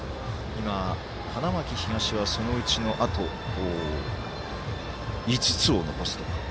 今、花巻東は、そのうちのあと５つを残すと。